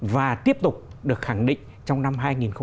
và tiếp tục được khẳng định trong năm hai nghìn một mươi chín